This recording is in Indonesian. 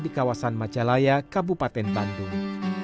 di kawasan majalaya kabupaten bandung